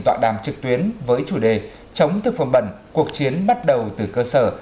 tọa đàm trực tuyến với chủ đề chống thực phẩm bẩn cuộc chiến bắt đầu từ cơ sở